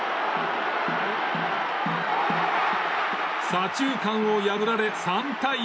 左中間を破られ３対２。